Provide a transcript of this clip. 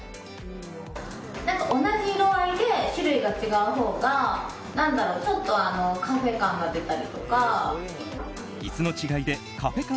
同じ色合いで種類が違うほうがちょっとカフェ感が出たりとか。